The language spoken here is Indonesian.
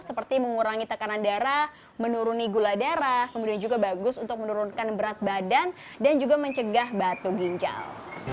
seperti mengurangi tekanan darah menuruni gula darah kemudian juga bagus untuk menurunkan berat badan dan juga mencegah batu ginjal